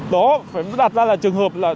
đó phải đặt ra là trường hợp là